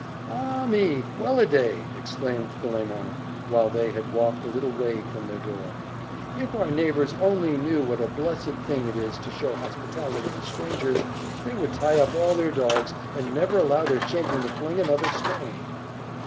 "Ah me! Well a day!" exclaimed Philemon, when they had walked a little way from their door. "If our neighbours only knew what a blessed thing it is to show hospitality to strangers, they would tie up all their dogs, and never allow their children to fling another stone."